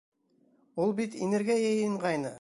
Ул бит инергә йыйынғайны!